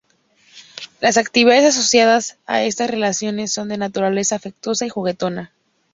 Las actividades asociadas a estas relaciones son de naturaleza afectuosa y juguetona.